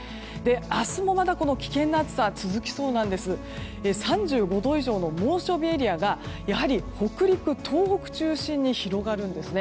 明日もまだこの危険な暑さ続きそうです。３５度以上の猛暑日エリアがやはり北陸、東北中心に広がるんですね。